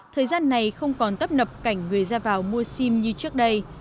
thời gian này không còn tấp nập cảnh người ra vào mua sim như trước đây